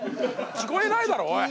聞こえないだろおい。